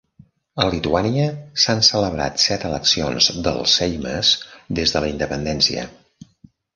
A Lituània s'han celebrat set eleccions del Seimas des de la independència.